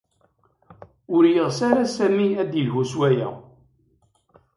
Ur yeɣs ara Sami ad d-yelhu s waya.